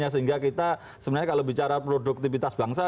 sehingga kita sebenarnya kalau bicara produktivitas bangsa